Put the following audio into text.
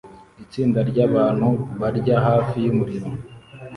Itsinda ryabantu barya hafi yumuriro